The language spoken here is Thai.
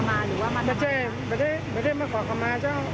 ไม่ได้ไม่ได้ไม่ได้มาขอขมาข่าว